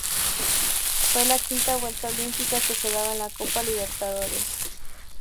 Fue la quinta vuelta olímpica que se daba en la Copa Libertadores.